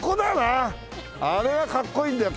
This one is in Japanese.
あれがかっこいいんだよ